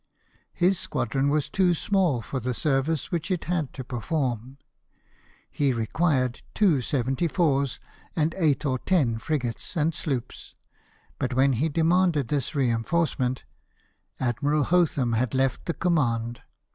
His squadron was too small for the service which it had to perform. He required two seventy fours and eight or ten frigates and sloops, but when he demanded this reinforcement Admiral Hotham had Igft the com mand.